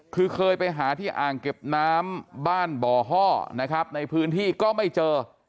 คือเคยไปหาที่อ่างเก็บน้ำบ้านบ่อห้อนะครับในพื้นที่ก็ไม่เจอ